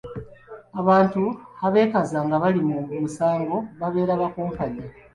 Abantu abeekaza nga bali mu musango babeera bakumpanya.